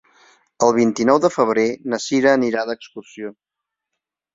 El vint-i-nou de febrer na Cira anirà d'excursió.